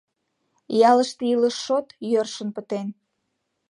Ялыште илыш шот йӧршын пытен.